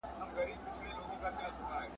له سهاره تر ماښامه ګرځېدل وه ..